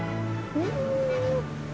うん！